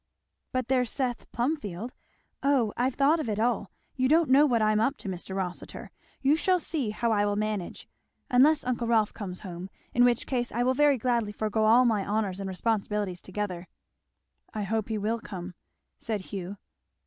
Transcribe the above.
"But there's Seth Plumfield. O I've thought of it all. You don't know what I am up to, Mr. Rossitur. You shall see how I will manage unless uncle Rolf comes home, in which case I will very gladly forego all my honours and responsibilities together." "I hope he will come!" said Hugh.